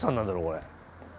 これ。